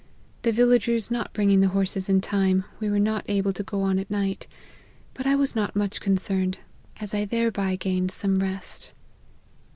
The villagers not bringing the horses in time, we were not able to go on at night ; but I was not much concerned, as I thereby gained some rest.